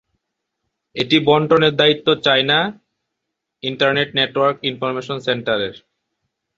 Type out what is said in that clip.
এটি বণ্টনের দায়িত্ব চায়না ইন্টারনেট নেটওয়ার্ক ইনফরমেশন সেন্টারের।